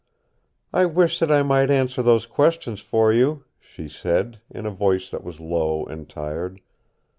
"I wish that I might answer those questions for you," she said, in a voice that was low and tired.